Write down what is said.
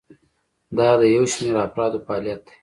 دا د یو شمیر افرادو فعالیت دی.